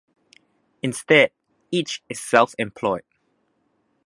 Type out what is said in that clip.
Instead, each is self-employed.